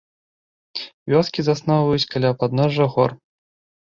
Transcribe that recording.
Вёскі засноўваюць каля падножжа гор.